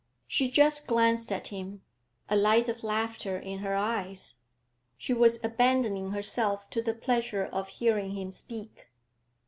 She just glanced at him, a light of laughter in her eyes. She was abandoning herself to the pleasure of hearing him speak.